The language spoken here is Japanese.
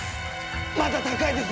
まだ高いです！